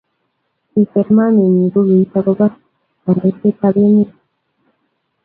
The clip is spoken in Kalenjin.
kiser maamanyi bukuit akobo kandoiset ab emet